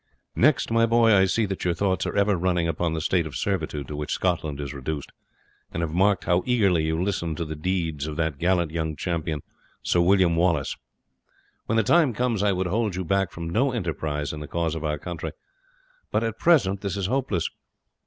Next, my boy, I see that your thoughts are ever running upon the state of servitude to which Scotland is reduced, and have marked how eagerly you listen to the deeds of that gallant young champion, Sir William Wallace. When the time comes I would hold you back from no enterprise in the cause of our country; but at present this is hopeless.